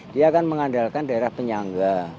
dia akan mengandalkan daerah penyangga